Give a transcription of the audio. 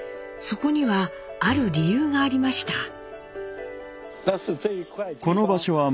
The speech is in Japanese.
そこにはある理由がありました。